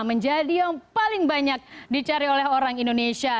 menjadi yang paling banyak dicari oleh orang indonesia